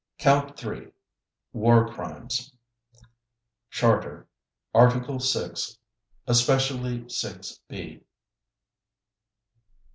COUNT THREE—WAR CRIMES (Charter, Article 6, especially 6 (b)) VIII.